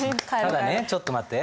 ただねちょっと待って。